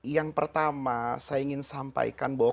yang pertama saya ingin sampaikan bahwa